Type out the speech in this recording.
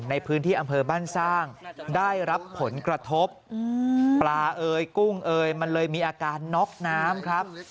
ในพื้นที่อำเภอบ้านสร้างได้รับผลกระทบปลาเอ่ยกุ้งเอยมันเลยมีอาการน็อกน้ำครับ